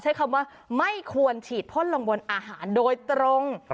ใช้คำว่าไม่ควรฉีดพ่นลงบนอาหารโดยตรง